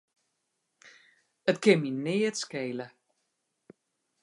It kin my neat skele.